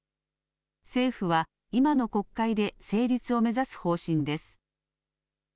政府は今の国会で成立を目指す方針です。